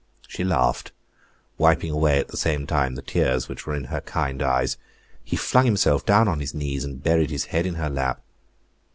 She laughed, wiping away at the same time the tears which were in her kind eyes; he flung himself down on his knees, and buried his head in her lap.